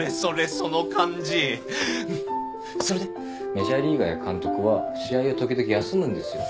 メジャーリーガーや監督は試合を時々休むんですよ。